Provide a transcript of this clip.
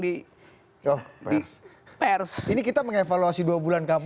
ini kita mengevaluasi dua bulan kampanye